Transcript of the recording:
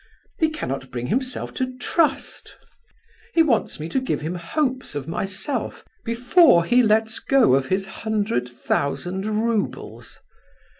He cannot bring himself to trust, he wants me to give him hopes of myself before he lets go of his hundred thousand roubles.